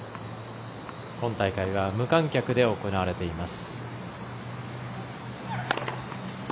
今大会は無観客で行われています。